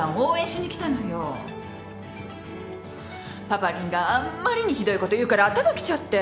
パパリンがあんまりにひどいこと言うから頭きちゃって。